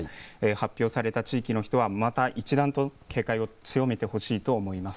発表された地域の人はまた一段と警戒を強めてほしいと思います。